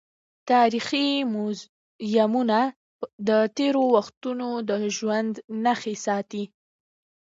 تاریخي موزیمونه د تېرو وختونو د ژوند نښې ساتي.